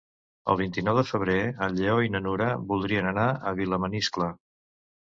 El vint-i-nou de febrer en Lleó i na Nura voldrien anar a Vilamaniscle.